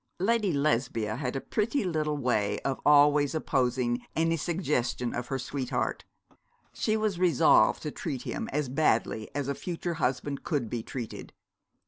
Lady Lesbia had a pretty little way of always opposing any suggestion of her sweetheart. She was resolved to treat him as badly as a future husband could be treated.